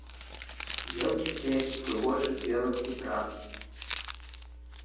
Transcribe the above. Елкі стаяць у прыгожых белых футрах.